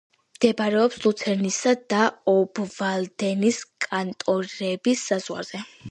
მდებარეობს ლუცერნისა და ობვალდენის კანტონების საზღვარზე.